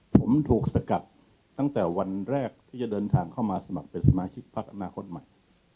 ผมถูกสกัดตั้งแต่วันแรกที่จะเดินทางเข้ามาสมัครเป็นสมาชิกพักอนาคตใหม่